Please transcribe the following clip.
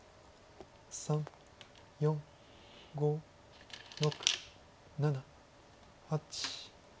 ３４５６７８。